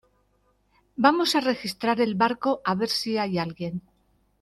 vamos a registrar el barco a ver si hay alguien.